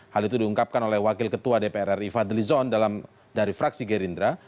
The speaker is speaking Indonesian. hal itu diungkapkan oleh wakil ketua dpr ri fadlizon dari fraksi gerindra